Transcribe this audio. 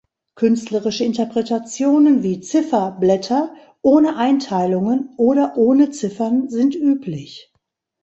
Künstlerische Interpretationen wie Zifferblätter ohne Einteilungen oder ohne Ziffern sind üblich.